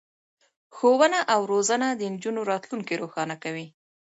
ښوونه او روزنه د نجونو راتلونکی روښانه کوي.